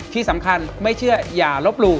ที่สำคัญไม่เชื่ออย่าลบหลู่